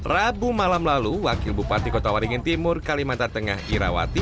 rabu malam lalu wakil bupati kota waringin timur kalimantan tengah irawati